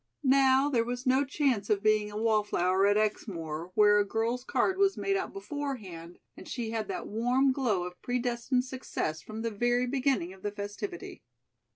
Now, there was no chance of being a wallflower at Exmoor, where a girl's card was made out beforehand, and she had that warm glow of predestined success from the very beginning of the festivity.